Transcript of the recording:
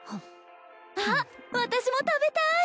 あっ私も食べたい。